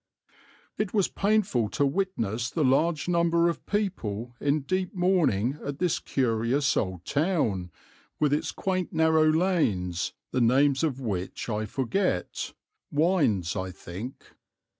"It was painful to witness the large number of people in deep mourning at this curious old town, with its quaint narrow lanes the names of which I forget ('wynds,' I think).